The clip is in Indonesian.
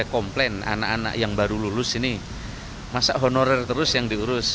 komplain anak anak yang baru lulus ini masa honorer terus yang diurus